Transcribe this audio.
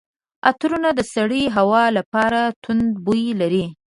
عطرونه د سړې هوا لپاره توند بوی لري.